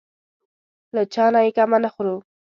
له چا نه یې کمه نه خورو.